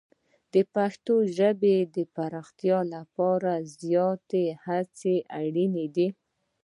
د پښتو ژبې پراختیا لپاره زیاتې هڅې اړینې دي.